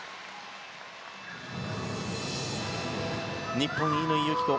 日本、乾友紀子